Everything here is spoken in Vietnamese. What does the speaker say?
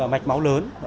mạch máu lớn